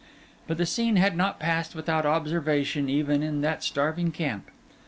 But the scene had not passed without observation even in that starving camp.